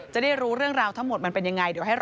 จะได้รู้เรื่องราวทั้งหมดมันเป็นอย่างไร